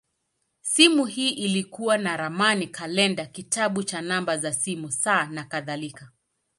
Simu hii ilikuwa na ramani, kalenda, kitabu cha namba za simu, saa, nakadhalika.